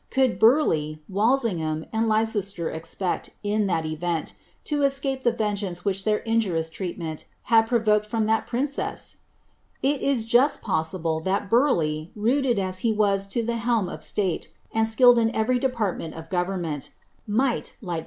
<>tild Burleigh, Wnlsinghsm, and Leicester expect, in that OTcnt, lo escape ihe vengeance which iheir Jiijurioua treatmeni had proTi^rd Iron) that iirincesa i It is Just possible, that Burieigh^ rooted as he wns lo the litlm uf Kiflie, and Bkilled in every departnieni of government, might, like T»!